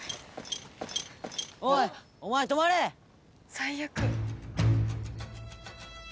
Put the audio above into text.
「最悪」